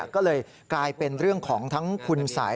ก็เลยกลายเป็นเรื่องของทั้งคุณสัย